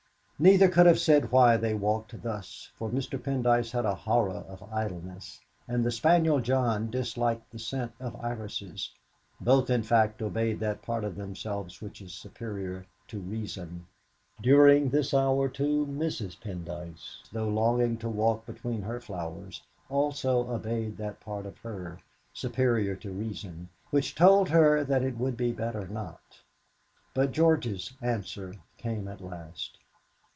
Neither could have said why they walked thus, for Mr. Pendyce had a horror of idleness, and the spaniel John disliked the scent of irises; both, in fact, obeyed that part of themselves which is superior to reason. During this hour, too, Mrs. Pendyce, though longing to walk between her flowers, also obeyed that part of her, superior to reason, which told her that it would be better not. But George's answer came at last.